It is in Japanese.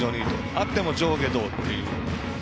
あっても上下動という。